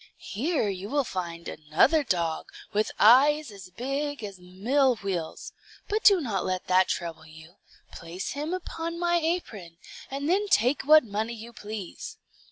Here you will find another dog, with eyes as big as mill wheels; but do not let that trouble you. Place him upon my apron, and then take what money you please.